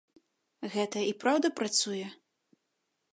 Гэта і праўда працуе?